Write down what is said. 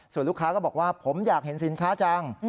ส่วนลูกค้าก็บอกว่าผมอยากเห็นสินค้าจัง